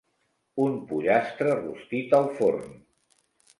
Un pollastre rostit al forn.